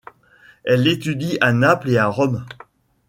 Elle l’étudie à Naples et à Rome.